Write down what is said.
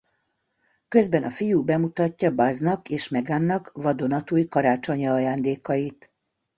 Közben a fiú bemutatja Buzz-nak és Megan-nak vadonatúj karácsonyi ajándékait.